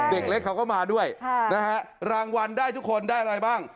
เด็กเล็กเขาก็มาด้วยนะฮะรางวัลได้ทุกคนได้อะไรบ้าง